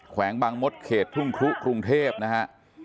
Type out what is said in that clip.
แวงบางมดเขตทุ่งครุกรุงเทพนะฮะ